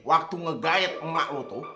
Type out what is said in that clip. waktu ngegayet enggak lo tuh